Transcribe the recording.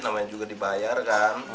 namanya juga dibayar kan